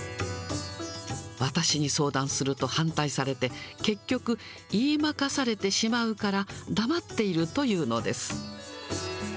私に相談すると反対されて、結局、言い負かされてしまうから黙っているというのです。